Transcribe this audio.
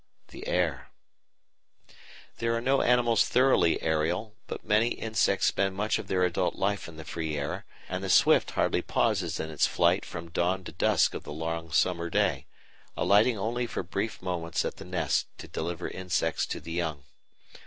THE AIR There are no animals thoroughly aerial, but many insects spend much of their adult life in the free air, and the swift hardly pauses in its flight from dawn to dusk of the long summer day, alighting only for brief moments at the nest to deliver insects to the young.